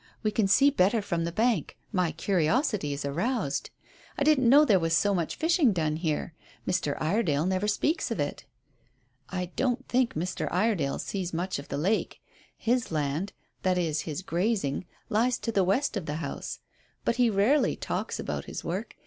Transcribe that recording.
We can see better from the bank. My curiosity is aroused. I didn't know there was so much fishing done here. Mr. Iredale never speaks of it." "I don't think Mr. Iredale sees much of the lake. His land that is, his grazing lies to the west of the house. But he rarely talks about his work.